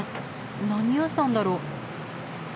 何屋さんだろう。